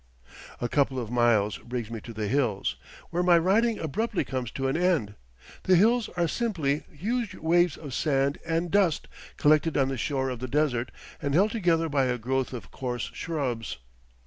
A couple of miles brings me to the hills, where my riding abruptly comes to an end; the hills are simply huge waves of sand and dust collected on the shore of the desert and held together by a growth of coarse shrubs.